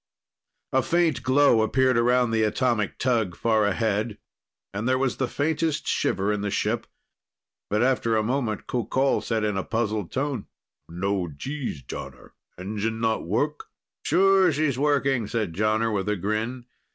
A faint glow appeared around the atomic tug far ahead, and there was the faintest shiver in the ship. But after a moment, Qoqol said in a puzzled tone: "No Gs, Jonner. Engine not work?" "Sure, she's working," said Jonner with a grin.